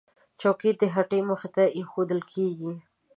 چوکۍ د هټۍ مخې ته ایښودل کېږي.